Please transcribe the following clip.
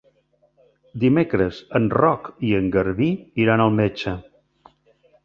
Dimecres en Roc i en Garbí iran al metge.